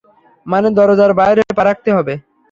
মানে, দরজার বাইরে পা রাখতে হবে!